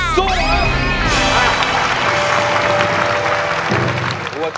สู้หรือหยุด